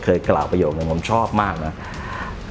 กล่าวประโยคนึงผมชอบมากนะ